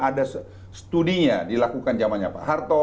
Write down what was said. ada studinya dilakukan zaman pak hartoh